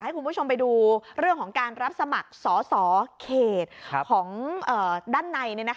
ให้คุณผู้ชมไปดูเรื่องของการรับสมัครสอสอเขตของด้านใน